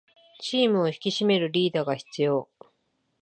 チームを引き締めるリーダーが必要